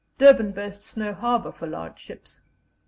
Durban boasts of no harbour for large ships.